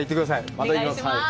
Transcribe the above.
また行きます。